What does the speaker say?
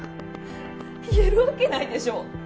言えるわけないでしょ！